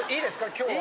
今日は。